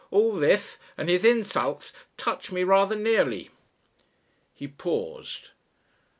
All this and his insults touch me rather nearly." He paused.